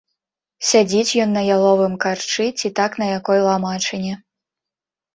Сядзіць ён на яловым карчы ці так на якой ламачыне.